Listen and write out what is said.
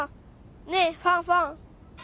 ねえファンファン。